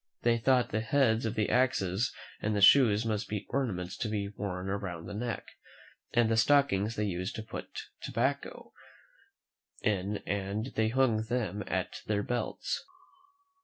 They thought the heads of the axes and the shoes must be ornaments to be worn about the neck, and the stockings they used to put tobacco in and they hung them at their belts.